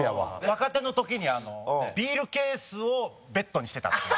若手の時にビールケースをベッドにしてたっていう。